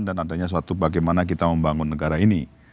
dan adanya suatu bagaimana kita membangun negara ini